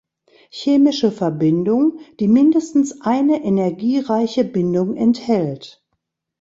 Chemische Verbindung, die mindestens eine energiereiche Bindung enthält.